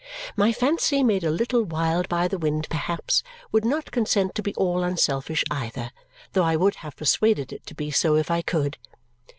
My fancy, made a little wild by the wind perhaps, would not consent to be all unselfish, either, though I would have persuaded it to be so if I could.